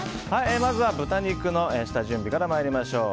まずは豚肉の下準備からまいりましょう。